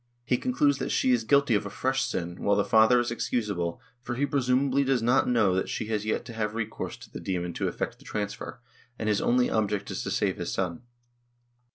He concludes that she is guilty of a fresh sin, while the father is excusable, for he presumably does not know that she has to have recourse to the demon to effect the transfer, and his only object is to save his son.